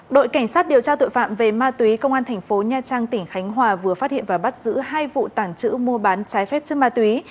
đội cảnh sát điều tra tội phạm về ma túy công an thành phố nha trang tỉnh khánh hòa vừa phát hiện và bắt giữ hai vụ tảng chữ mua bán trái phép chất ma túy